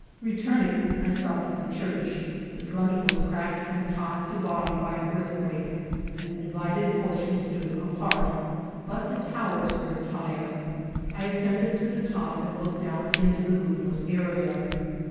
Returning, I stopped at the church. The front was cracked from top to bottom by an earthquake, and the divided portions stood apart, but the towers were en* tire. I ascended to the top, and looked down into the roofless area.